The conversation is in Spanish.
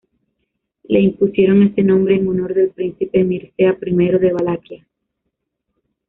Le impusieron ese nombre en honor del príncipe Mircea I de Valaquia.